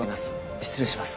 失礼します。